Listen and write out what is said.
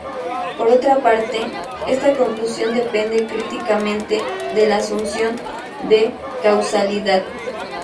Por otra parte, esta conclusión depende críticamente de la asunción de causalidad.